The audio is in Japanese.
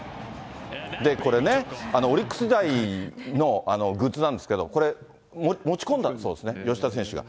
これね、オリックス時代のグッズなんですけれども、これ、持ち込んだそうですね、吉田選手が。